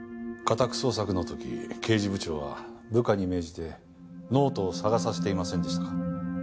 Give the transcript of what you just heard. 家宅捜索のとき刑事部長は部下に命じてノートを捜させていませんでしたか？